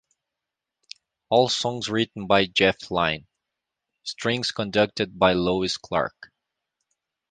All songs written by Jeff Lynne; strings conducted by Louis Clark.